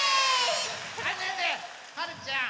ねえねえはるちゃん。